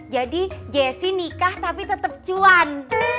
jadi jessy nikah tapi tetep cuan